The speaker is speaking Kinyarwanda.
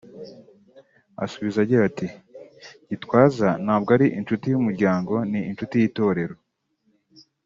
asubiza agira ati “Gitwaza ntabwo ari inshuti y’umuryango ni inshuti y’Itorero